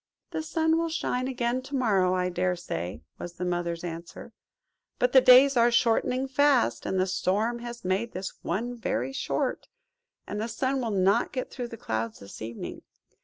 "The sun will shine again to morrow, I dare say," was the Mother's answer; "but the days are shortening fast; and the storm has made this one very short; and the sun will not get through the clouds this evening.